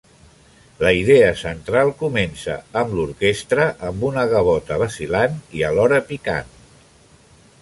La idea central comença amb l'orquestra amb una gavota vacil·lant i alhora picant.